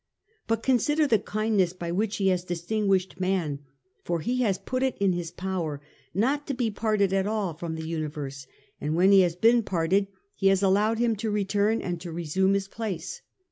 But consider the kindness by which He has distinguished man, for He has put it in his power not to be parted at all from the universal, and when he has been parted. He has allowed him to return and to resume his place.